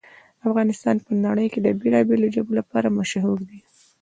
افغانستان په نړۍ کې د بېلابېلو ژبو لپاره مشهور دی.